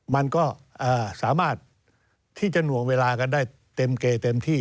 มันก็สามารถที่จะหน่วงเวลากันได้เต็มเกย์เต็มที่